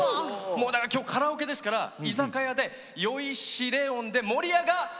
今日カラオケですから「居酒屋」で酔いしレオンで盛り上がレオン。